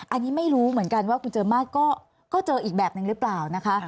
อันนี้ไม่รู้เหมือนกันว่าคุณเจอมาสก็เจออีกแบบนึงหรือเปล่านะคะ